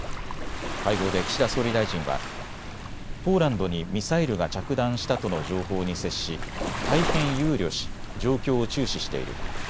会合で岸田総理大臣はポーランドにミサイルが着弾したとの情報に接し大変憂慮し状況を注視している。